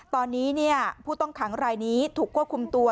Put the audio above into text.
ตอนนี้ผู้ต้องขังรายนี้ถูกควบคุมตัว